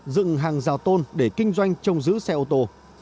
dựng hàng rào tôn để kinh doanh trông giữ xe ô tô